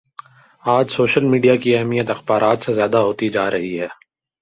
آج social media کی اہمیت اخبارات سے زیادہ ہوتی جا رہی ہے